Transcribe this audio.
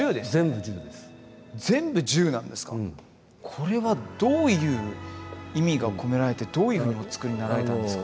これはどういう意味が込められてどういうふうにお作りになられたんですか？